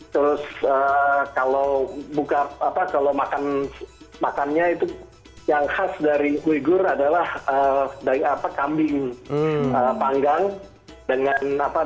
terus kalau makan makannya itu yang khas dari uyghur adalah kambing panggang dengan malak